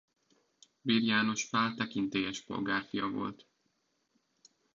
Beer János Pál tekintélyes polgár fia volt.